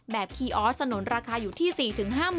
แบบคียอร์ดสนุนราคาอยู่ที่๔๕๐๐๐๐